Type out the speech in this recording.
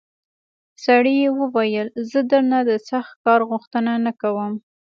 سړي وویل زه درنه د سخت کار غوښتنه نه کوم.